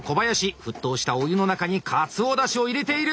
沸騰したお湯の中にかつおだしを入れている。